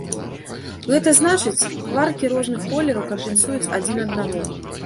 Гэта значыць, кваркі розных колераў кампенсуюць адзін аднаго.